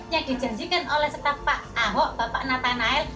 yang dijanjikan oleh staf pak ahok bapak nathanael